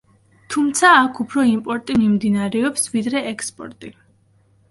თუმცა აქ უფრო იმპორტი მიმდინარეობს, ვიდრე ექსპორტი.